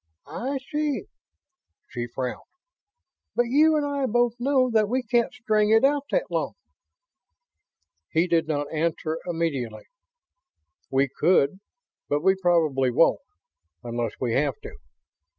"I see." She frowned. "But you and I both know that we can't string it out that long." He did not answer immediately. "We could. But we probably won't ... unless we have to.